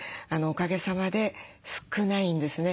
おかげさまで少ないんですね。